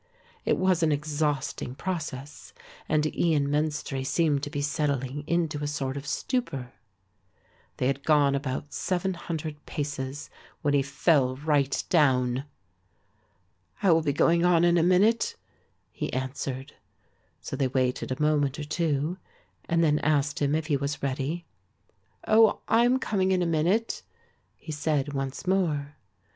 It was an exhausting process and Ian Menstrie seemed to be settling into a sort of stupor. They had gone about 700 paces when he fell right down. "I will be going on in a minute," he answered. So they waited a moment or two and then asked him if he was ready. "Oh, I am coming in a minute," he said once more.